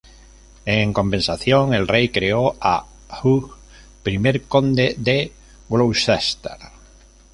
En compensación, el rey creó a Hugh primer conde de Gloucester.